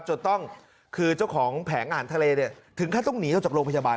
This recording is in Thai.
จนต้องคือเจ้าของแผงอาหารทะเลเนี่ยถึงขั้นต้องหนีออกจากโรงพยาบาล